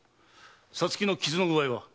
皐月の傷の具合は？